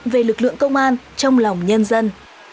về lực lượng công an trong lòng nhân dân